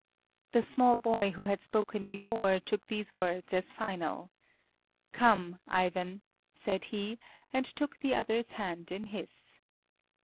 The small boy who had spoken before took these words as final. "Come, Ivan," said he, and took the other's hand in his.